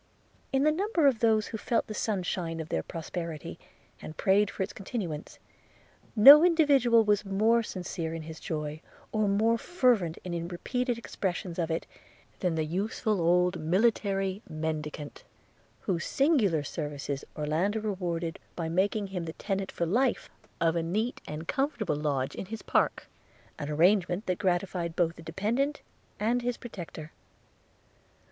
In the number of those, who felt the sunshine of their prosperity, and prayed for its continuance, no individual was more sincere in his joy, or more fervent in repeated expressions of it, than the useful old military mendicant, whose singular services Orlando rewarded by making him the tenant for life of a neat and comfortable lodge in his park – an arrangement that gratified both the dependent and his protector.